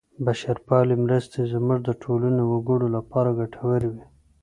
بشرپالې مرستې زموږ د ټولو وګړو لپاره ګټورې وې.